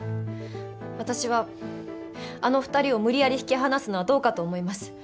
私はあの２人を無理やり引き離すのはどうかと思います。